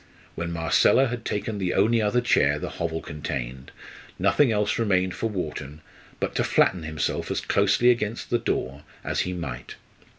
When Marcella had taken the only other chair the hovel contained, nothing else remained for Wharton but to flatten himself as closely against the door as he might.